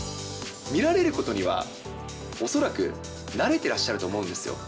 見られることには、恐らく慣れてらっしゃると思うんですよ。